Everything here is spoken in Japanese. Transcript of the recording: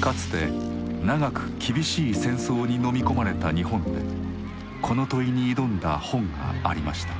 かつて長く厳しい戦争にのみ込まれた日本でこの問いに挑んだ本がありました。